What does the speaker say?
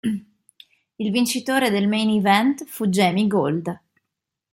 Il vincitore del Main Event fu Jamie Gold.